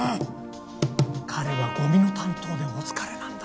彼はゴミの担当でお疲れなんだから。